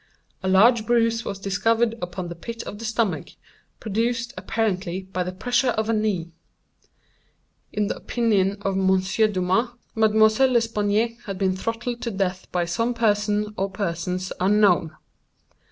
A large bruise was discovered upon the pit of the stomach, produced, apparently, by the pressure of a knee. In the opinion of M. Dumas, Mademoiselle L'Espanaye had been throttled to death by some person or persons unknown.